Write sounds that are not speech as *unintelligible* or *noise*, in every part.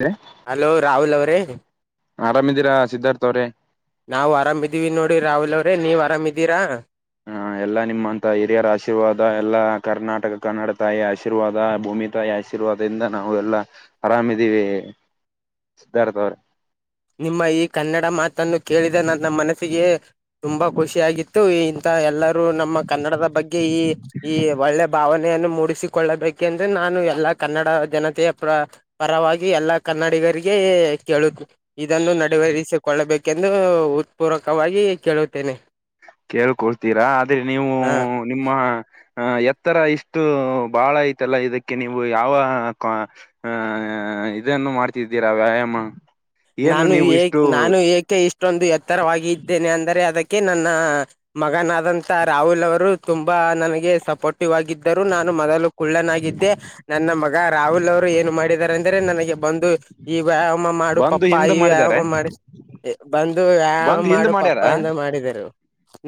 ಹ *unintelligible* ಹಲೋ ರಾಹುಲ್ ಅವರೇ ಆರಾಮ್ದೀರಾ ಸಿದ್ಧಾರ್ಥ ಅವ್ರೆ ನಾವು ಆರಾಮಿದೀವಿ ನೋಡಿ ರಾಹುಲ್ ಅವ್ರೆ ನೀವ್ ಆರಾಮ್ದೀರಾ ಎಲ್ಲ ನಿಮ್ಮಂತ ಹಿರಿಯರ ಆಶೀರ್ವಾದ ಎಲ್ಲಾ ಕರ್ನಾಟಕ ಕನ್ನಡ ತಾಯಿ ಆಶೀರ್ವಾದ ಭೂಮಿ ತಾಯಿ ಆರ್ಶಿವಾದ ವದ್ರಿಂದ ನಾವು ಎಲ್ಲಾ ಆರಾಮಿದೀವಿ ಸಿದ್ಧಾರ್ಥವ್ರೇ ನಿಮ್ಮ ಈ ಕನ್ನಡ ಮಾತನ್ನು ಕೇಳಿದ ನನ್ನ ಮನಸ್ಸಿಗೆ ತುಂಬಾ ಖುಷಿಯಾಗಿತ್ತು ಈ ತಾ ಎಲ್ಲರೂ ನಮ್ಮ ಕನ್ನಡದ ಬಗ್ಗೆ ಈ ಈ ಒಳ್ಳೆ ಭಾವನೆಯನ್ನು ಮೂಡಿಸಿ ಕೊಳ್ಳಬೇಕೆಂದು ನಾನು ಎಲ್ಲಾ ಕನ್ನಡ ಜನತೆಯ ಪ್ರ ಪರವಾಗಿ ಎಲ್ಲಾ ಕನ್ನಡಿಗರಿಗೆ ಕೇಳುದು ಇದನ್ನು ನಡವೇರಿಸಿಕೊಳ್ಳಬೇಕೆಂದು ಉತ್ಪೂರಕವಾಗಿ ಕೇಳುತ್ತೇನೆ. ಕೇಳಕೊತ್ತಿರಾ ಆದ್ರೆ ನೀವು ಹ ನಿಮ್ಮ ಹ ಎತ್ತರ ಇಷ್ಟು ಬಾಳ ಐತಲ್ಲ ಇದಕ್ಕೆ ನೀವು ಯಾವ ಹಹ ಇದನ್ನು ಮಾಡ್ತಿದ್ದೀರಾ ವ್ಯಾಯಾಮ ಏನು ನಾನು ನೀವು ಏ ಇಷ್ಟು ನಾನು ಏಕೆ ಇಷ್ಟೊಂದು ಎತ್ತರವಾಗಿ ಇದ್ದೇನೆ ಅಂದರೆ ಅದಕ್ಕೆ ನನ್ನ ಮಗನಾದಂತ ರಾಹುಲ್ ಅವರು ತುಂಬಾ ನನಗೆ ಸಪೋರ್ಟಿವ್ ಆಗಿದ್ದರು ನಾನು ಮೊದಲು ಕುಳ್ಳನಾಗಿದ್ದೆ ನನ್ನ ಮಗ ರಾಹುಲ್ ಅವರು ಏನು ಮಾಡಿದ್ದಾರೆ ಅಂದ್ರೆ ನನಗೆ ಬಂದು ಈ ವ್ಯಾಯಾಮ ಮಾಡು ಪಪ್ಪ ಬಂದು ಹಿಂದ ಪ್ಪಾಯ ಮಾಡಿದ್ದಾರೆ ವ್ಯಾಮ ಮಾಡಿ *unintelligible* ಬಂದು ವ್ಯಾಯಾಮ ಬಂದು ಹಿಂದ ಮಾಡು ಪಪ್ಪ ಮಾಡ್ಯಾರ ಎಂದು ಮಾಡಿದರು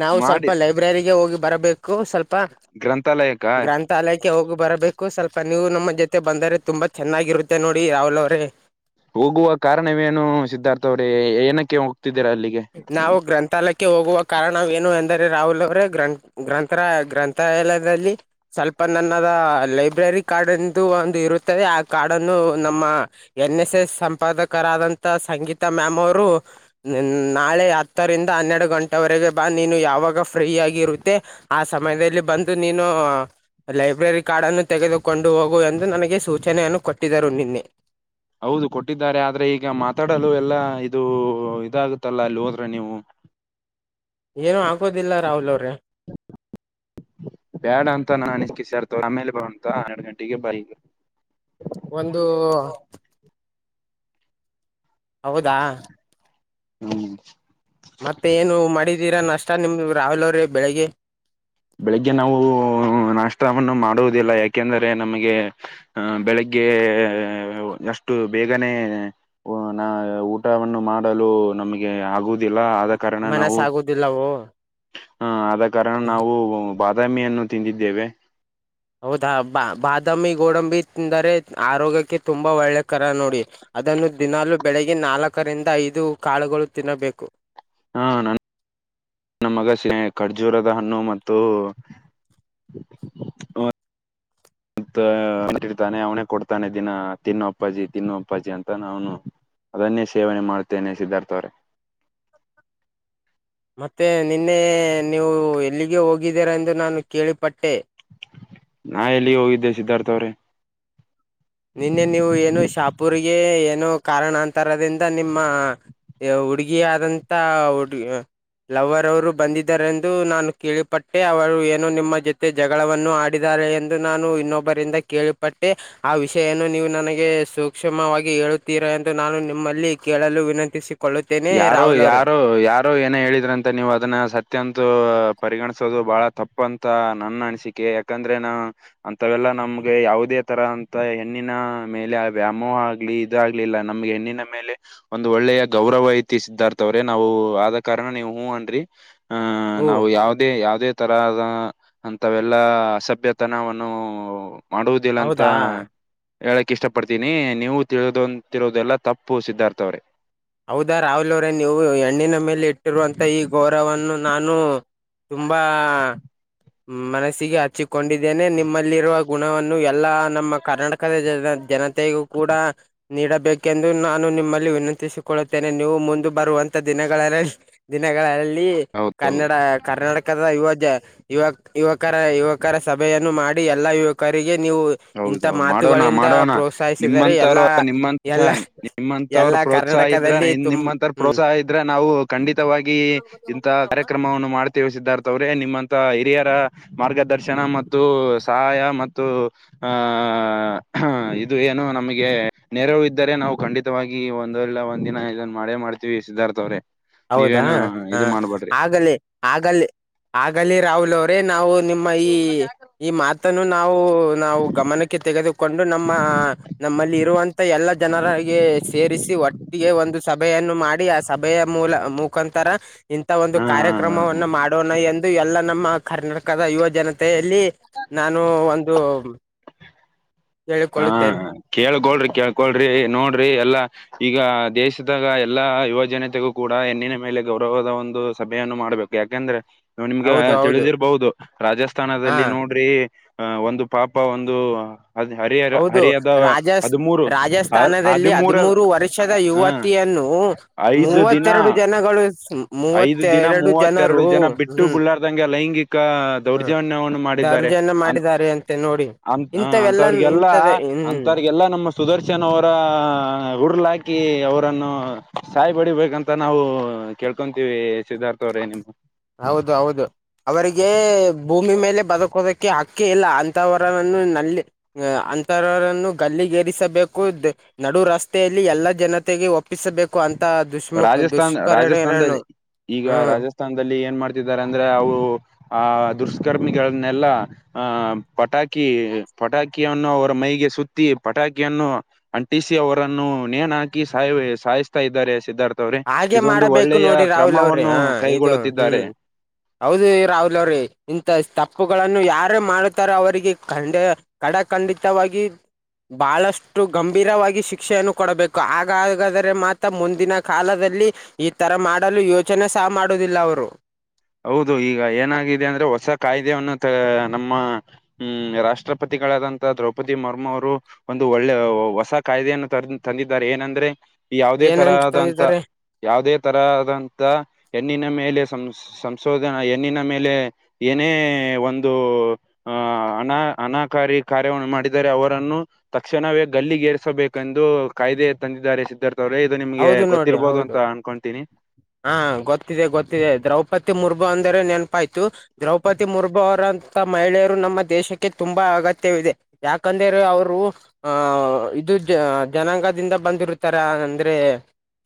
ನಾವು ಸ್ವಲ್ಪ ಮಾಡಿ ಲೈಬ್ರರಿಗೆ ಹೋಗಿ ಬರಬೇಕು ಸ್ವಲ್ಪ ಗ್ರಂಥಾಲಯಕ್ಕ ಗ್ರಂಥಾಲಯಕ್ಕೆ ಹೋಗಿ ಬರಬೇಕು ಸ್ವಲ್ಪ ನೀವು ನಮ್ಮ ಜೊತೆ ಬಂದರೆ ತುಂಬ ಚೆನ್ನಾಗಿರುತ್ತೆ ನೋಡಿ ರಾವುಲ್ ಅವ್ರೇ ಹೋಗುವ ಕಾರಣವೇನು ಸಿದ್ಧಾರ್ಥ ಅವ್ರೇ ಏನಕ್ಕೆ ಹೋಗ್ತಿದ್ದೀರಾ ಅಲ್ಲಿಗೆ? ನಾವು ಗ್ರಂಥಾಲಯಕ್ಕೆ ಕ್ಕೆ ಹೋಗುವ ಕಾರಣವೇನು ಎಂದರೆ ರಾಹುಲ್ ಅವರ ಗ್ರಂ ಗ್ರಂಥ ಗ್ರಂಥಾಲಯದಲ್ಲಿ ಸ್ವಲ್ಪ ನನ್ನದ ಲೈಬ್ರರಿ ಕಾರ್ಡ್ ಎಂದು ಒಂದು ಇರುತ್ತದೆ ಆ ಕಾರ್ಡ್ ಅನ್ನು ನಮ್ಮ ಎನ್ ಎಸ್ ಎಸ್ ಸಂಪಾದಕರಾದಂತ ಸಂಗೀತಾ ಮ್ಯಾಮ್ ಅವರು ನಿನ್ ನಾಳೆ ಹತ್ತರಿಂದ ಹನ್ನೆರಡು ಗಂಟೆವರೆಗೆ ಬಾ ನೀನು ಯಾವಾಗ ಫ್ರೀಯಾಗಿರುತ್ತೆ ಆ ಸಮಯದಲ್ಲಿ ಬಂದು ನೀನು ಲೈಬ್ರರಿ ಕಾರ್ಡ್ ಅನ್ನು ತೆಗೆದುಕೊಂಡು ಹೋಗು ಎಂದು ನನಗೆ ಸೂಚನೆಯನ್ನು ಕೊಟ್ಟಿದರು ನಿನ್ನೆ ಹೌದು ಕೊಟ್ಟಿದ್ದಾರೆ ಆದ್ರೆ ಈಗ ಮಾತಾಡಲು ಎಲ್ಲಾ ಇದು ಇದಾಗುತ್ತಲ್ಲ ಅಲ್ಲಿ ಹೋದ್ರೆ ನೀವು ಏನು ಆಗೋದಿಲ್ಲ ರಾಹೂಲ್ ಅವ್ರೆ *inaudible* ಬೇಡ ಅಂತ ನಾನು ಅನಿಸಿಕ ಸೇರ್ತ ಆಮೇಲೆ ಬಂತ ಹನ್ನೆರಡು ಗಂಟೆಗೆ ಬ ಒಂದು ಹೌದಾ ಹ್ಮ್ ಮತ್ತೆ ಏನು ಮಾಡಿದೀರಾ ನಷ್ಟ ನಿಮ್ದ ರಾವಲ್ ಅವ್ರೆ ಬೆಳಿಗ್ಗೆ ಬೆಳಿಗ್ಗೆ ನಾವು ನಾಷ್ಟವನ್ನು ಮಾಡುವುದಿಲ್ಲ ಯಾಕೆಂದರೆ ನಮಗೆ ಆಹ ಬೆಳಿಗ್ಗೆ ಅಷ್ಟು ಬೇಗನೆ ಹ ನಾ ಊಟವನ್ನು ಮಾಡಲು ನಮ್ಗೆ ಆಗ ದಿಲ್ಲ ಆದ ಕಾರಣ ಮನಸ ನಾವು ಆಗುದಿಲ್ಲವೋ ಹ ಆದ ಕಾರಣ ನಾವು ಬಾದಾಮಿಯನ್ನು ತಿಂದಿದ್ದೇವೆ ಹೌದಾ ಬಾ ಬಾದಾಮಿ ಗೋಡಂಬಿ ತಿಂದರೆ ಆರೋಗ್ಯಕ್ಕೆ ತುಂಬಾ ಒಳ್ಳೆ ಕರ ನೋಡಿ ಅದನ್ನು ದಿನಲು ಬೆಳಿಗ್ಗೆ ನಾಲ್ಕರಿಂದ ಐದು ಕಾಳುಗಳು ತಿನ್ನಬೇಕು *unintelligible* ನ ಮಗ ಖರ್ಜೂರದ ಹಣ್ಣು ಮತ್ತೇ *inaudible* ಮತ್ತೆ ಅಂತಿರ್ತಾನೆ ಅವನೇ ಕೊಡ್ತಾನೆ ದಿನ ತಿನ್ನು ಅಪ್ಪಾಜಿ ತಿನ್ನು ಅಪ್ಪಾಜಿ ಅಂತಾನ ಅವನು ಅದನ್ನೇ ಸೇವನೆ ಮಾಡ್ತೇನೆ ಸಿದ್ಧಾರ್ಥ ಅವ್ರೆ ಮತ್ತೆ ನಿನ್ನೆ ನೀವು ಎಲ್ಲಿಗೆ ಹೋಗಿದ್ದೀರೀ ಎಂದು ನಾನು ಕೇಳಿಪಟ್ಟೆ. ನಾ ಎಲ್ಲಿ ಹೋಗಿದ್ದೆ ಸಿದ್ಧಾರ್ಥ ಅವ್ರೆ. ನಿನ್ನೆ ನೀವು ಏನೋ ಶಾಪೂರಿಗೆ ಏನು ಕಾರಣಾಂತರದಿಂದ ನಿಮ್ಮ ಹುಡುಗಿ ಆದಂತ ಹುಡುಗಿ ಲವ್ರ್ ಅವರು ಬಂದಿದ್ದಾರೆಂದು ನಾನು ಕೇಳಿಪಟ್ಟೆ ಅವರು ಏನೋ ನಿಮ್ಮ ಜೊತೆಗೆ ಜಗಳವನ್ನು ಆಡಿದ್ದಾರೆ ಎಂದು ನಾನು ಇನ್ನೊಬ್ಬರಿಂದ ಕೇಳಿಪಟ್ಟೆ ಜಾ ಆ ವಿಷಯನ್ನು ನೀವು ನನಗೆ ಸೂಕ್ಷ್ಮವಾಗಿ ಹೇಳುತ್ತೀರಾ ಎಂದು ನಾನು ನಿಮ್ಮಲ್ಲಿ ಕೇಳಲು ವಿನಂತಿಸಿ ಕೊಳ್ಳುತ್ತೇನಿ ಯಾರೋ ರಾಹುಲ್ ಅವ್ರೇ. ಯಾರೋ ಯಾರೋ ಏನೋ ಹೇಳಿದ್ರ ಅಂತಾ ನೀವು ಅದನ್ನ ಸತ್ಯಂತ ಪರಿಗಣಿಸೋದು ಬಹಳ ತಪ್ಪ ತ್ತ ನನ್ನ ಅನಿಸಿಕೆ ಯಾಕಂದ್ರೆ ನಾ ಅಂತವೆಲ್ಲಾ ನಮ್ಗೆ ಯಾವುದೇ ತರಾ ಅಂತ ಹೆಣ್ಣಿನ ಮೇಲೆ ವ್ಯಾಮೋಹ ಆಗ್ಲಿ ಇದ ಆಗ್ಲಿಲ್ಲ ನಮಗೆ ಹೆಣ್ಣಿನ ಮೇಲೆ ಒಂದು ಒಳ್ಳೆಯ ಗೌರ ಗೌರವ ಐತಿ ಸಿದ್ಧಾರ್ಥ ಅವ್ರೆ ನಾವು ಆದ ಕಾರಣ ನೀವ್ ಹೂ ಅನ್ರಿ ಹ ಓ ನಾವು ಯಾವದೇ ಯಾವುದೇ ತರದಾ ಅಂತವೆಲ್ಲಾ ಅಸಭ್ಯತನವನ್ನು ಮಾಡುವುದಿಲ್ಲ ಅಂತಾ ಹೌದಾ ಹೇಳಕ್ ಇಷ್ಟ ಪಡ್ತೀನಿ, ನೀವು ತಿಳುದಂತಿರೋದೆಲ್ಲಾ ತಪ್ಪು ಸಿದ್ಧಾರ್ಥ್ ಅವ್ರೆ. ಹೌದಾ ರಾಹುಲ್ ಅವರೇ ನೀವು ಹೆಣ್ಣಿನ ಮೇಲೆ ಇಟ್ಟಿರುವಂತ ಈ ಗೌರವನು ನಾನು ತುಂಬಾ ಮನಸ್ಸಿಗೆ ಹಚ್ಚಿಕೊಂಡಿದ್ದೇನೆ ನಿಮ್ಮಲ್ಲಿರುವ ಗುಣವನ್ನು ಎಲ್ಲಾ ನಮ್ಮ ಕರ್ನಾಟಕ ದ ಜನತೆಗೂ ಕೂಡ ನೀಡಬೇಕೆಂದು ನಾನು ನಿಮ್ಮಲ್ಲಿ ವಿನಂತಿಸಿ ಕೊಳುತ್ತೇನೆ ನೀವು ಮುಂದ ಬರುವಂತ ದಿನ ದಿನಗಳಲ್ಲಿ ಹೌದೌದು ಕನ್ನಡ ಕರ್ನಾಟಕ ಕ ಯುವ ಯುವ ಯುವಕರ ಯುವಕರ ಸಭೆಯನ್ನು ಮಾಡಿ ಎಲ್ಲಾ ಯುವಕರಿಗೆ ನೀವು ಇಂಥ ಹೌದೌದು ಮಾಡೋಣ, ಮಾತುಗಳಿಂದ ಮಾಡೋಣ, ಪ್ರೋತ್ಸಾಹಿಸಿದರೆ ನಿಮ್ಮಂತವ್ರ ಎಲ್ಲಾ ನಿಮ್ಮಂತ ಎಲ್ಲ ನಿಮ್ಮಂತವ್ರು ಎಲ್ಲಾ ಪ್ರೋತ್ಸಾಹ ಇದ್ರ ಕರ್ನಾಟಕದಲ್ಲಿ ತುಂ ನಿಮ್ಮಂತ ಹ್ಮ್ ಪ್ರೋತ್ಸಾಹ ಇದ್ರೆ ನಾವು ಖಂಡಿತವಾಗಿ ಇಂತ ಕಾರ್ಯಕ್ರಮವನ್ನು ಮಾಡ್ತೇವೆ ಸಿದ್ಧಾರ್ಥವ್ರೆ ನಿಮ್ಮಂತ ಹಿರಿಯರ ಮಾರ್ಗದರ್ಶನ ಮತ್ತು ಸಹಾಯ ಮತ್ತು ಆಹ ಹಾ ಇದು ಏನು ನಮಗೆ ನೆರವು ಇದ್ದರೆ ನಾವು ಖಂಡಿತವಾಗಿ ಒಂದಲ್ಲ ಒಂದಿನ ಇದನ್ ಮಾಡೇ ಮಾಡ್ತವಿ. ತಿವಿ ಸಿದ್ಧಾರ್ಥ ಅವ್ರೇ ಹೌದಾ ಹ ಆಗಲಿ ಆಗಲ್ಲಿ ಆಗಲಿ ರಾಹುಲ್ ಅವರ ನಾವು ನಿಮ್ಮ ಈ ಈ ಮಾತನ್ನು ನಾವು ನಾವು ಗಮನಕ್ಕೆ ಕೆ ತೆಗೆದುಕೊಂಡು ನಮ್ಮ ನಮ್ಮಲ್ಲಿ ಇರುವಂತ ಎಲ್ಲಾ ಜನರಿಗೆ ಸೇರಿಸಿ ಒಟ್ಟಿಗೆ ಒಂದು ಸಭೆಯನ್ನು ಮಾಡಿ ಆ ಸಭೆಯ ಮೂಲ ಮುಖಾಂತರ ಇಂತಾ ಒಂದು ಹಾ ಹಾ ಹಾ ಹಾ ಕಾರ್ಯಕ್ರಮವನ್ನು ಮಾಡ ಕೊರೋನಾ ಎಂದು ಎಲ್ಲ ನಮ್ಮ ಕರ್ನಾಟಕದ ಯುವ ಜನತೆಯಲ್ಲಿ ನಾನು ಒಂದು ಹಾ ಹೇಳಿಕೊಳ್ಳುತ್ತೇನೆ. ಕೇಳ್ಕೊಳ್ರಿ ಕೇಳ್ಕೊಳ್ರಿ ನೋಡ್ರಿ ಎಲ್ಲಾ ಈಗ ದೇಶದಾಗ ಎಲ್ಲಾ ಯುವ ಜನತೆಗೂ ಕೂಡ ಹೆಣ್ಣಿನ ಮೇಲೆ ಗೌರವದ ಒಂದು ಸಭೆಯನ್ನು ಮಾಡ್ಬೇಕು. ಯಾಕಂದ್ರೆ ನಿಮ್ಗೆ ಹೌದು ಹೌದು ತಿಳಿದಿರ್ಬಹುದು. ಹಾ ರಾಜಸ್ಥಾನದಲ್ಲಿ ನೋಡ್ರಿ ಹ ಒಂದು ಪಾಪ ಒಂದು ಅದ ಹೌದು ರಾಜಸ್ ಹರ್ ರಾಜಸ್ಥಾನದಲ್ಲಿ ಹದಿಮೂರ ಹದಿಮೂರು ವರ್ಷದ ಹ ಯುವತಿಯನ್ನು. ಐದು ದಿನ ಮೂವತ್ತೆರಡು ಜನಗಳು ಇಸ್ ಐದು ದಿನ ಮೂವತ್ತೆರಡು ಜನ ಬಿಟ್ಟು ಹ್ಮ್ ಬಿಡ್ರ್ದಂಗೆ ಲೈಂಗಿಕ ಹ್ಮ್ ದೌರ್ಜನ್ಯವನ್ನು ಮಾಡ ಮಾಡಿದರೆ ದರ್ಜನ ಅಂತ್ ಮಾಡಿದ್ದಾರೆ ಅಂತೆ ನೋಡಿ ಅಂತ್ ಇಂಥವೆಲ್ಲ ಅಂತವ್ರಿಗೆಲ್ಲ ಇಂಥದ ಹ್ಮ್ ಅಂತವ್ರಿಗೆಲ್ಲಾ ನಮ್ಮ ಸುದರ್ಶನ್ ಅವರ ಹುರ್ಳ ಹಾಕಿ ಅವರನ್ನು ಸಾಯ್ಬಡಿಬೇಕಂತ ನಾವು ಕೇಳ್ ಇಕೊಂತೀವಿ ಸಿದ್ಧಾರ್ಥ ಅವ್ರೇ ನಿಮ್ ಹೌದು ಹೌದು ಅವರಿಗೆ ಭೂಮಿ ಮೇಲೆ ಬದುಕೋದಕ್ಕೆ ಹಾಕೇ ಇಲ್ಲ. ಅಂತವರನ್ನು ನಲ್ಲಿ ಅಂತರರನ್ನು ಗಲ್ಲಿಗೇರಿಸಬೇಕು ನಡು ರಸ್ತೆಯಲ್ಲಿ ಎಲ್ಲಾ ಜನತೆಗೆ ಒ ತಪ್ಪಿಸಬೇಕು ಅಂತ ದುಷ್ಮುಮುಖ್ ರಾಜಸ್ಥಾನ್ ದುಷ್ಮಕಾರ್ಣರನು ಹ್ಮ ಸ್ಥಾನದಲ್ಲಿ ಏನ್ ಮಾಡ್ತಿದ್ದಾರೆ ಅಂದ್ರೆ. ಅವರು ಆಹ್ ದುಷ್ಕರ್ಮಿಗಳನ್ನೆಲ್ಲ. ಆಹ ಪಟಾಕಿ ಪಟಾಕಿಯನ್ನು ಅವರ ಮೈಗೆ ಸುತ್ತಿ ಪಟಾಕಿಯನ್ನು ಅಂಟಿಸಿ ಅವರನ್ನು ನೇಣ ಹಾಕಿ ಸಾಯ್ ಸಾಯಿಸ್ತಾ ಇದ್ದಾರೆ ಸಿದ್ಧಾರ್ಥ ಅವ್ರೆ ಹಾಗೆ ಇದೊಂದು ಮಾಡಬೇಕು ಒಳ್ಳೆಯ ನೋಡಿ ರಾಹುಲ್ ಅವ್ರಿ ಹ ಕ್ರಮವನ್ನು ಇದು ಕೈಗೊಳ್ಳುತ್ತಿದ್ದಾರೆ. ಹ್ಮ್ ಹೌದು ರಾಹುಲ್ ಅವ್ರೇ ಇಂಥ ತಪ್ಪುಗಳನ್ನು ಯಾರೇ ಮಾಡುತ್ತಾರೇ ಅವರಿಗೆ ಖಂಡ ಕಾಡ ಖಂಡಿತವಾಗಿ ಬಹಳಷ್ಟು ಗಂಭೀರವಾಗಿ ಶಿಕ್ಷೆಯನ್ನು ಕೊಡಬೇಕು ಹಾಗಾಗಾದರೆ ಮಾತ್ರ ಮುಂದಿನ ಕಾಲದಲ್ಲಿ ಈ ತರ ಮಾಡಲು ಯೋಚನೆ ಸಹ ಮಾಡುವುದಿಲ್ಲ ಅವರು. ಹೌದು ಈಗ ಏನಾಗಿದೆ ಅಂದ್ರೆ ಹೊಸ ಕಾಯ್ದೆಯನ್ನು ನಮ್ಮ ಹ್ಮ್ ರಾಷ್ಟ್ರಪತಿಗಳಾದಂತ ದ್ರೌಪದಿ ಮುರ್ಮು ಅವರು ಒಂದು ಒಳ್ಳೆ ಹೊಸ ಕಾಯ್ದೆಯನ್ನು ತಂದು ತಂದಿದ್ದಾರೆ ಏನಂದ್ರೆ ಯಾವುದೇ ಏನಂತ ತರದಂತ ತಂದಿದ್ದಾರೆ ಯಾವುದೇ ತರದಂತ ಹೆಣ್ಣಿನ ಮೇಲೆ ಸಂ ಸಂಶೋಧನಾ ಹೆಣ್ಣಿನ ಮೇಲೆ ಏನೇ ಒಂದು ಆ ಅನಾ ಅನಾಕಾರಿ ಕಾರ್ಯವನ್ನು ಮಾಡಿದರೆ ಅವರನ್ನು ತಕ್ಷಣವೇ ಗಲ್ಲಿಗೇರ್ಸಬೇಕೆಂದು ಕಾಯ್ದೆ ತಂದಿದ್ದಾರೆ ಸಿದ್ಧಾರ್ಥ. ಇದು ನೀಮಗೆ ಹೌದು ನೋಡಿ ಗೊತ್ತಿರ್ಬಹದು ಹೌದು ಅಂತ ಅನ್ಕೊತೀನಿ. ಹಾ ಗೊತ್ತಿದೆ ಗೊತ್ತಿದೆ ದ್ರೌಪದಿ ಮುರ್ಮು ಅಂದರೆ ನೆನಪಾಯ್ತು ದ್ರೌಪದಿ ಮುರ್ಮು ಅವರಂತ ಮಹಿಳೆಯರು ನಮ್ಮ ದೇಶಕ್ಕೆ ತುಂಬಾ ಅಗತ್ಯವಿದೆ. ಯಾಕಂದ್ರ ಅವರು ಅಹ ಇದು ಜನಾಂಗದಿಂದ ಬಂದಿರುತ್ತಾರೆ ಅಂದ್ರೆ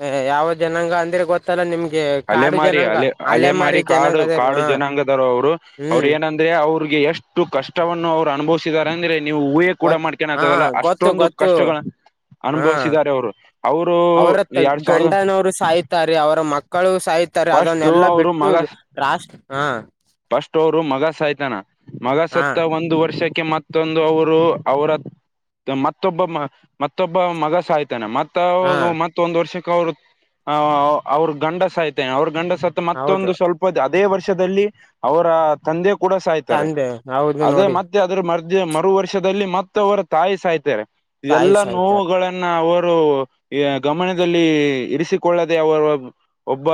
ಹೇ ಹೇ ಯಾವ ಜನಾಂಗ ಅಂದ್ರೆ ಗೊತ್ತ ತ್ತಲ್ಲ ನಿಮ್ಗೆ? ಅಲೆಮಾರಿ ಅಲೆ ಅಲೆಮಾರಿ ಜನಾಂಗ ಕಾಡು ಅದ ಕಾಡು ಹ ಜನಾಂಗದಾರ ಅವ್ರು ಅವ್ರು ಹ್ಮ್ ಏನಂದ ಅವರಿಗೆ ಎಷ್ಟು ಕಷ್ಟವನ್ನು ಅವರು ಅನುಭವಸ್ತ್ ಸಿದ್ದರೆ ಅಂದ್ರೆ ನೀವು ಊಹೆ ಕೂಡ ಗೊತ್ ಹಾ ಮಾಡ್ಕಗಲ್ಲ ಗೊತ್ತು ಅಷ್ಟೊಂದು ಗೊತ್ತು ಕಷ್ಟಗಳನ್ನು ಹಾ ಅನುಭವಸಿದಿದ್ದಾರೆ ಅವರು ಅವರು ಎರಡ್ ಸಾವರದ ತಾರೆ ಅವರ ಮಕ್ಕಳು ಸಾಯತಾರೆ ಅದನ್ನೆಲ್ಲಾ ಅವರು ಬಿಟ್ಟು ಮಗ ರಾಷ್ಟ್ರಿ ಹ್ಮ್ ಫಸ್ಟ್ ಅವರು ಮಗ ಸಾಯ್ತಾನ ಮಗ ಹಾ ಸತ್ತ ಒಂದು ವರ್ಷಕ್ಕೆ ಕೆ ಮತ್ತೊಂದು ಅವರು ಅವರ ಮತ್ತೊಬ್ಬ ಮತ್ತೊಬ್ಬ ಮಗ ಸಾಯ್ತಾನೆ ಮತ್ ಹಾ ಮತ್ತೊಂದ್ ವರ್ಷಕ್ಕೆ ಅವರು ಅ ಅವ್ರು ಗಂಡಸ ಸಾಯ್ತೆನೆ ಅವ್ರ ಗಂಡಸ ಹೌದು ಮತ್ತೊಂದು ಸ್ವಲ್ಪ ಅದೇ ವರ್ಷದಲ್ಲಿ ಅವರ ತಂದೆ ಕೂಡ ಸಾಯ್ತಾರೆ. ತಂದೆ ಹೌದು ಅದೇ ಮತ್ತೆ ನೋಡಿ ಮತ್ತೆ ಅದ್ರ ಮರ್ ಮರು ವರ್ಷದಲ್ಲಿ ಮತ್ತ ಅವರ ತಾಯಿ ಸಾಯ್ತಾರೆ ತಾಯಿ ಎಲ್ಲಾ ಸಾಯ್ತಾರೆ ನೋವುಗಳ ಅವರು ಗಮನದಲ್ಲಿ ಇರಿಸಿಕೊಳ್ಳದೆ ಅವರ ಒಬ್ಬ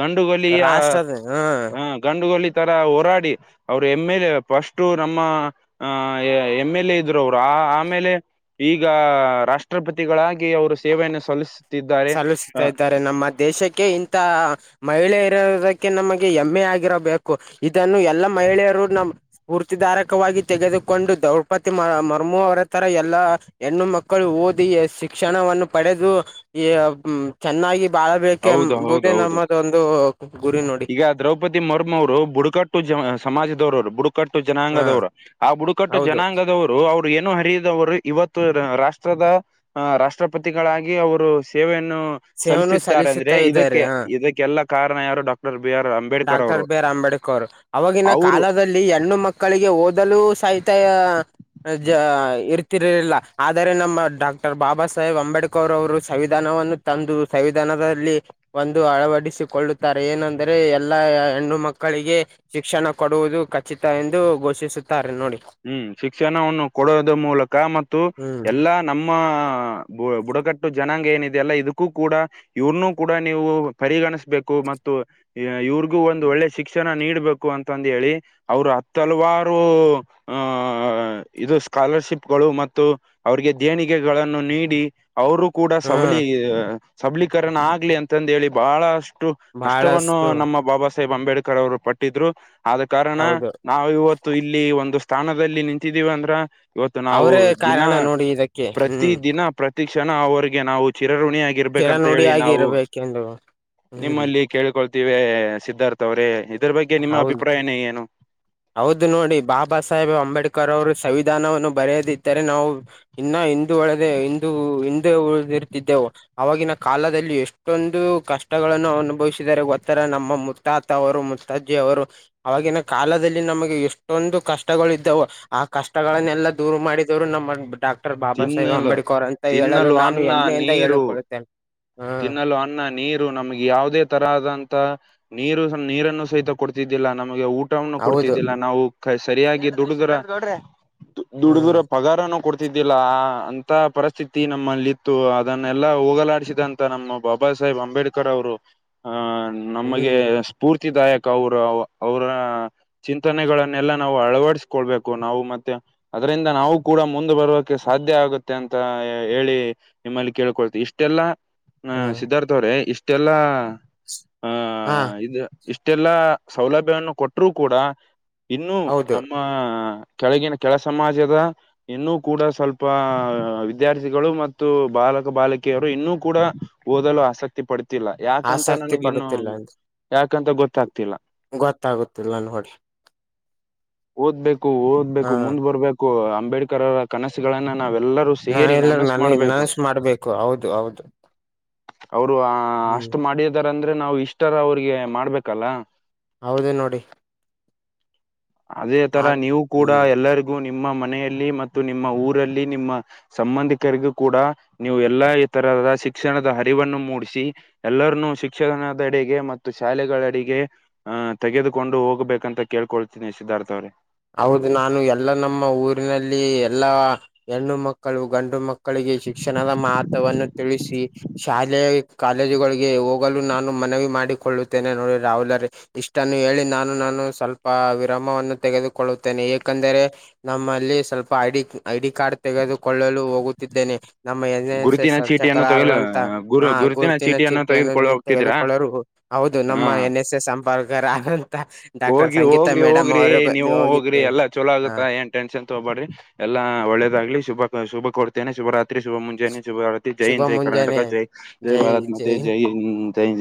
ಗಂಡುಗೊಲಿಯ ರಾಷ್ಟ್ರದ ಹ ಹ ಗಂಡುಗೊಲಿ ತರ ಹೋರಾಡಿ. ಅವರು ಎಮ್ ಎಲ್ ಎ ಫಸ್ಟು ನಮ್ಮ ಅಹ ಎಮ್ ಎಲ್ ಎ ಇದ್ರು ಅವ್ರು ಆ ಆಮೇಲೆ. ಈಗ ರಾಷ್ಟ್ರಪತಿಗಳಾಗಿ ಅವರು ಸೇವೆಯನ್ನು ಸಲ್ಲಿಸ ಸಲ್ಲಿಸುತ್ತಾ ಇದ್ದಾರೆ ನಮ್ಮ ದೇಶಕ್ಕೆ ಇಂತಹಾ - ಮಹಿಳೆ ಇರೋದಕ್ಕೆ ನಮಗೆ ಹೆಮ್ಮೆ ಆಗಿರಬೇಕು ಇದನ್ನು ಎಲ್ಲಾ ಮಹಿಳೆಯರು ನಮ ಸ್ಫೂರ್ತಿದಾರಕವಾಗಿ ತೆಗೆದುಕೊಂಡು ದ್ರೌಪದಿ ಮ ಮರ್ಮು ಅವರ ತರ ಎಲ್ಲಾ ಹೆಣ್ಣು ಮಕ್ಕಳು ಓದಿ ಶಿಕ್ಷಣವನ್ನು ಪಡೆದು. ಈ ಚೆನ್ನಾಗಿ ಬಾಳಬೇಕೆಂದು ಹೌದು ಹೌದು ಎಂಬುದೇ ಹೌದು ನಮ್ಮದ ಒಂದು ಗುರಿ ನೋಡಿ. ಈಗ ದ್ರೌಪದಿ ಮುರ್ಮು ಅವರು ಬುಡಕಟ್ಟು ಜ ಸಮಾಜದವರವರು ಬುಡ ಬುಡುಕಟ್ಟು ಹಾ ಜನಾಂಗದವರು ಆ ಬುಡುಕಟ್ಟು ಹೌದು ಜನಾಂಗದವ್ರು ಅವರು ಏನು ಹರಿದವರು ಇವತ್ತು ರಾಷ್ಟ್ರದ. ಆಹ ರಾಷ್ಟ್ರಪತಿಗಳಾಗಿ ಅವರು ಸೇವೆಯನ್ನು. *unintelligible* ಸಲ್ಲಿಸಿದ್ದಾರೆ ಅಂದ್ರೆ ಇದ್ದಾರೆ ಇದಕ್ಕೆ ಹ ಇದಕ್ಕೆಲ್ಲ ಕಾರಣ ಯಾರು ಡಾಕ್ಟರ್ ಬಿ ಆರ್ ಅಂಬ ಡಾಕ್ಟರ್ ಬಿ ಆರ್ ಅಂಬೇಡ್ಕರ್ ಅವಾಗಿನ್ನ ಅವರು ಕಾಲದ ಹೆಣ್ಣು ಮಕ್ಕಳಿಗೆ ಓದಲು ಸಹಿತ ಜ ಇರ್ತಿರಲಿಲ್ಲ ಆದರೆ ನಮ್ಮ ಡಾಕ್ಟರ್ ಬಾಬಾ ಸಾಹೇಬ್ ಅಂಬೇಡ್ಕರ್ ಅವರು ಸಂವಿಧಾನವನ್ನು. ತಂದು ಸಂವಿಧಾನದಲ್ಲಿ ಒಂದು ಅಳವಡಿಸಿಕೊಳ್ಳುತ್ತಾರೆ ಏನೆಂದರೆ ಎ ಎಲ್ಲ ಹೆಣ್ಣು ಮಕ್ಕಳಿಗೆ ಶಿಕ್ಷಣ ಕೊಡುವುದು ಖಚಿತ ಎಂದು ಘೋಷಿಸುತ್ತಾರೆ ನೋಡಿ. ಹ್ಮ್ ಶಿಕ್ಷಣವನ್ನು ಕೊಡೋದ ಮೂಲಕ ಮತ್ತು ಹ್ಮ್ ಎಲ್ಲಾ. ನಮ್ಮ ಬು ಬುಡಕಟ್ಟು ಜನಾಂಗ ಏನಿದೆೆಯಲ್ಲ ಇದಕ್ಕೂ ಕೂಡ. ಇವ್ರನ್ನು ಕೂಡ ನೀವು ಪರಿಗಣಿಸಬೇಕು ಮತ್ತು ಇವ್ರ- ಗು ಒಂದು ಒಳ್ಳೆ ಶಿಕ್ಷಣ ನೀಬೇಕು ಅಂತಂದ ಹೇಳಿ ಅವರು ಹತ್ ಹಲ್ವಾರು. ಆಹ ಇದು ಸ್ಕಾಲರ್ಶಿಪ್ಗಳು ಮತ್ತು ಅವ್ರಿಗೆ ದೇಣಿಗೆಗಳನ್ನು ನೀಡಿ. ಅವರು ಕೂಡ ಹ್ಮ್ ಸಬಲೀ ಸಬಲೀಕರಣ ಆಗ್ಲಿ ಅಂತಂದ ಹೇಳಿ ಬಹಳಷ್ಟು. ಕಷ್ಟವನ್ನು ಬಹಳಷ್ಟು ನಮ್ಮ ಬಾಬಾ ಸಾಹೇಬ್ ಅಂಬೇಡ್ಕರ್ ಅವ್ರು ಪಟ್ಟಿದ್ರು ಆದ ಕಾರಣ. ಹೌದು ನಾವು ಇವತ್ತು ಇಲ್ಲಿ ಒಂದು ಸ್ಥಾನದಲ್ಲಿ ನಿಂತಿದ್ದೀವಿ ಅಂದ್ರ ಇವತ್ತು ನಾವು ಅವರೇ ದಿನ ಕಾರಣ ನೋಡಿ ಇದಕ್ಕೆ ಪ್ರತಿ ಹ್ಮ್ ದಿನ ಪ್ರತಿ ಕ್ಷಣ ಅವ್ರಿಗೆ ನಾವು ಚಿರಋಣಿಯಾಗಿ. ಇರ್ಬೇಕಂತ ಹೇಳಿ ಚಿರನುಡಿಯಾಗಿ ನಾವು ಇರಬೇಕೆಂದು ಹ್ಮ್ ನಿಮ್ಮಲ್ಲಿ ಕೇಳ್ಕೊಳ್ತೀವೆ ಸಿದ್ಧಾರ್ಥ ಅವ್ರೇ ಇದ್ರ ಬಗ್ಗೆ ನಿಮ್ಮ ಹೌದು ಅಭಿಪ್ರಾಯವೆನು. ಹೌದು ನೋಡಿ ಬಾಬಾ ಸಾಹೇಬ್ ಅಂಬೇಡ್ಕರ್ ಅವರು ಸಂವಿಧಾನವನ್ನು ಬರೆಯದಿದ್ದರೆ ನಾವು ಇನ್ನ ಹಿಂದೂ ಒಳದ ಹಿಂದು ಹಿಂದೂ ಉಳ ಇರ್ತಿದ್ದೆವು. ಆವಾಗಿನ ಕಾಲದಲ್ಲಿ ಎಷ್ಟೊಂದು ಕಷ್ಟಗಳನ್ನು ಅನುಭವಿಸಿದರೆ ಗೊತ್ತರ ನಮ್ಮ ಮುತ್ತಾತ ಅವರು ಮತ್ ಮುತ್ತಜ್ಜಿ ಅವರು ಆವಾಗಿನ ಕಾಲದಲ್ಲಿ ನಮಗೆ ಎಷ್ಟೊಂದು ಕಷ್ಟಗಳು ಇದ್ದವು. ಆ ಕಷ್ಟಗಳನ್ನೆಲ್ಲಾ ದೂರು ಮಾಡಿದವ್ರು ನಮ್ಮ ಡಾಕ್ ಡಕ್ಟರ್ ಬಾಬಾ ಸಾಹೇಬ್ ತಿನ್ನಲು ಅಂಬೇಡ್ಕರ್ ಅಂತ ಹೇಳಲು ತಿನ್ನಲು ನಾನು ಅನ್ನ ಹೆಮ್ಮೆಯಿಂದ ನೀರು ಹೇಳಿಕೊಳ್ಳುತ್ತೇನೆ. ಹ್ಮ್ ನಮಗೆ ಯಾವುದೇ ತರಹದಂತ ನೀರು ನೀರನ್ನು ಸಹಿತ ಕೊಡ್ತಿದ್ದಿಲ್ಲ ನಮಗೆ ಊ ಟನ್ನು ಹೌದು ಕೊಡ್ತಿದ್ದಿಲ್ಲ ನಾವು ಸರಿಯಾಗಿ ದುಡದರ ಹ್ಮ್ ದುಡದರ ಪಗಾರನ್ನೂ ಸಹಿತ ಕೊಡ್ತಿರಲಿಲ್ಲ. ದಿಲ್ಲ ಅಂತ ಪರಿಸ್ಥಿತಿ ನಮ್ಮಲ್ಲಿ ಇತ್ತು ಅದನ್ನೆಲ್ಲಾ ಹೋಗಲಾಡಿಸಿದಂತ. ನಮ್ಮ ಬಾಬಾ ಸಾಹೇಬ್ ಅಂಬೇಡ್ಕರ್ ಅವರು ಅಹ ನಮಗೆ. ಹ್ಮ್ ಸ್ಫೂರ್ತಿದಾಯಕ ಅವರು ಅವರ. ಚಿಂತನೆಗಳನ್ನೆಲ್ಲಾ ನಾವು ಅಳವಡಸ್ಕೊಳ್ಬೇಕು ನಾವು ಮತ್ತೆ. ಅದರಿಂದ ನಾವು ಕೂಡ ಮುಂದೆ ಬರೋಕ್ಕೆೆ ಸಾಧ್ಯ ಆಗುತ್ತೆ ಅಂತ ಹೇಳಿ. ನಿಮ್ಮಲ್ಲಿ ಕೇಳ್ಕೊಳ್ತಿನೀ ಇಷ್ಟೆಲ್ಲ. ಹ ಹ್ಮ್ ಸಿದ್ಧಾರ್ಥ ಅವ್ರೆ ಇಷ್ಟೆಲ್ಲಾ ಆ ಹಾ ಇದು. ಇಷ್ಟೆಲ್ಲಾ ಸೌಲಭ್ಯವನ್ನು ಕೊಟ್ಟರು ಕೂಡ ಇನ್ನು ಹೌದು ನಮ್ಮ ನಮ್ಮ ಕೆಳಗಿನ ಕೆಳ ಸಮಾಜದ ಇನ್ನುೂ ಕೂಡ ಸ್ವಲ್ಪ ವಿದ್ಯಾರ್ಥಿಗಳು ಮತ್ತು ಬಾಲಕ ಬಾಲಕಿಯರು ಇನ್ನುೂ ಕೂಡ ಓದಲು ಆಸಕ್ತಿ ಪಡ್ತಿಲ್ಲ ಯಾಕಂತ ಆಸಕ್ತಿ ನನ್ಗ ಇನ್ನು ಪಡುತ್ತಿಲ್ಲ ಅಂತ ಯಾಕಂತ ಗೊತ್ತಾಗ್ತಿಲ್ಲ ಗೊತ್ತಾಗುತ್ತಿಲ್ಲ ನೋಡಿ ಓದ್ಬೇಕು ಹಾ ಓದ್ಬೇಕು ಮುಂದ್ ಬರ್ಬೇಕು *unintelligible* ಅಂಬೇಡ್ಕರ್ರ ಕನಸುಗಳನ್ನ ನಾವೆಲ್ಲರೂ ನಾ ಸೇರಿ ಎಲ್ಲರೂ ನನಸ್ ನನ ಮಾಡ್ಬೇಕು ನನಸ್ ಮಾಡ್ಬೇಕು ಹೌದು ಹೌದು ಅವರು ಹ್ಮ್ ಅಷ್ಟ್ ಮಾಡದಾರಂದ್ರೆ ನಾವು ಇಷ್ಟಾರ ಅವ್ರಿಗೆ ಮಾಡ್ಬೇಕಲ್ಲ ಹೌದು ನೋಡಿ ಅದೇ ತರ ಆಗ್ ನೀವು ಕೂಡ ಹ್ಮ್ ಎಲ್ಲರಿಗೂ ನಿಮ್ಮ ಮನೆಯಲ್ಲಿ ಮತ್ತು ನಿಮ್ಮ ಊರಲ್ಲಿ ನಿಮ್ಮ ಸಂಬಂಧಿಕರಿಗೂ ಕೂಡ ನೀವು ಎಲ್ಲಾ ಈ ತರದ *unintelligible* ಶಿಕ್ಷಣದ ಹರಿವನ್ನು ಮೂಡಿಸಿ ಎಲ್ಲರನ್ನುೂ ಶಿಕ್ಷಣದ ಅಡೆಗೆ ಮತ್ತು ಶಾಲೆಗಳ ಅಡೆಗೆ ಹ ತೆಗೆದುಕೊಂಡು ಹೋಗ್ಬೇಕಂತ ಕೇಳ್ಕೊಳ್ತೀನಿ ಸಿದ್ಧಾರ್ಥ ಅವ್ರೆ ಹೌದು ನಾನು ಎಲ್ಲ ನಮ್ಮ ಊರಿನಲ್ಲಿ ಎಲ್ಲಾ ಹೆಣ್ಣು ಮಕ್ಕಳು ಗಂಡು ಮಕ್ಕ ಮಕ್ಕಳಿಗೆ ಶಿಕ್ಷಣದ ಮಹತ್ವವನ್ನು ತಿಳಿಸಿ ಶಾಲೆ ಕಾಲೇಜುಗಳಿಗೆ ಹೋಗಲು ನಾನು ಮನವಿ ಮಾಡಿಕೊಳ್ಳುತ್ತೇನೆ ನೋಡಿ ರಾಹುಲರಿ ಇಷ್ಟನ್ನು ಹೇಳಿ ನಾನು ನಾನು ಸ್ವಲ್ಪ ವಿರಾಮವನ್ನು ತೆಗೆದುಕೊಳ್ಳುತ್ತೇನೆ ಏಕಂದರೆ ನಮ್ಮಲ್ಲಿ ಸ್ವಲ್ಪ ಐಡಿ ಐಡಿ ಕಾರ್ಡ್ ತೆಗೆದುಕೊಳ್ಳಲು ಹೋಗುತ್ತಿದ್ದೇನೆ ನಮ್ಮ ಎನ್ ಎ ಗುರುತಿನ ಚೀಟಿಯನ್ನು ತೆಗೆಲು ಎಚಕ್ರಾರರಂತ ಗುರು ಆ ಗುರುತಿನ ಚೀಟಿಯನ್ನು ತೆಗೆದುಕೊಳ್ಳ ಹೋಗ್ತಿದೀರಾ ತೆಗೆದುಕೊಳ್ಳರು ಹೌದು ನಮ್ಮ ಹ ಎನ್ ಎಸ್ ಎಸ್ ಸಂಪರ್ಕರ ಆದಂತ ಡಾಕ್ಟರ್ ಹೋಗಿ ಸಂಗೀತಾ ಹೋಗ್ರಿ ಮೇಡಮ್ ಹೋಗ್ರಿ ಅವರು ನೀವು ಹೋಗ್ರಿ ಎಲ್ಲ ಚಲೋ ಆಗುತ್ತಾ *unintelligible* ಟೆನ್ಷನ್ ತಗಬಡ್ರಿ ಎಲ್ಲಾ ಒಳ್ಳೇದಾಗ್ಲಿ ಶುಭ ಶುಭ ಕೊಡ್ತೇನೆ ಶುಭ ರಾತ್ರಿ ಶುಭ ಮುಂ ಜನ ಶುಭ ಭಾರತಿ ಜೈ ಶುಭ ಜೈ ಕರ್ನಾಟಕ ಮುಂಜಾನೆ ಜೈ ಜೈ ಭಾರತ್ ಮಾತೆ ಜೈ ಜೈ ಜ